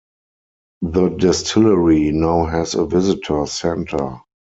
The distillery now has a visitor centre.